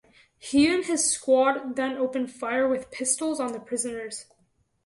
He and his squad then opened fire with pistols on the prisoners.